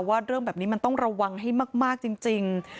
ว่าเรื่องแบบนี้มันต้องระวังให้มากจริง